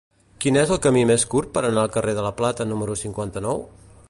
Quin és el camí més curt per anar al carrer de la Plata número cinquanta-nou?